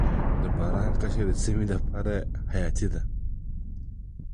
د باران کچه د سیمې لپاره حیاتي ده.